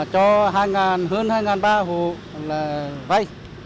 cho hơn hai ba trăm linh hộ vai